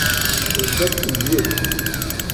Le choc eut lieu.